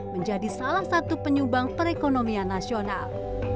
menjadi salah satu penyumbang perekonomian nasional